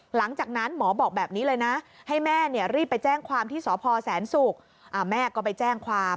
หลังจากนั้นหมอบอกแบบนี้เลยนะให้แม่รีบไปแจ้งความที่สพแสนศุกร์แม่ก็ไปแจ้งความ